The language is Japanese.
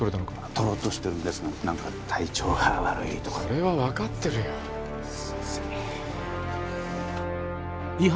取ろうとしているんですが何か体調が悪いとかでそれは分かってるよすいません